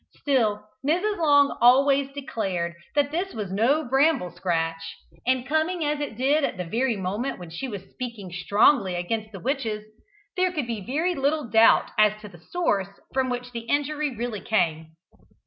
Still Mrs. Long always declared that this was no bramble scratch, and coming as it did at the very moment when she was speaking strongly against the witches, there could be very little doubt as to the source from which the injury really came.